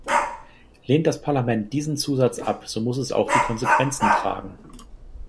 Lehnt das Parlament diesen Zusatz ab, so muss es auch die Konsequenzen tragen.